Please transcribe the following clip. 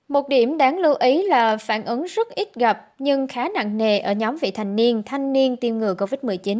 một điểm đáng lưu ý là phản ứng rất ít gặp nhưng khá nặng nề ở nhóm vị thành niên thanh niên tiêm ngừa covid một mươi chín